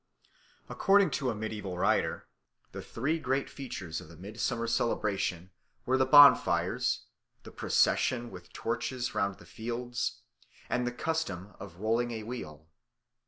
According to a mediaeval writer, the three great features of the midsummer celebration were the bonfires, the procession with torches round the fields, and the custom of rolling a wheel.